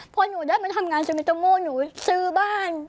พอหนูได้มาทำงานเซเมโตโม่หนูซื้อบ้าน